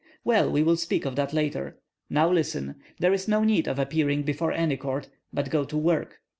"Well, we will speak of that later. Now listen! There is no need of appearing before any court, but go to work.